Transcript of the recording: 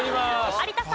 有田さん。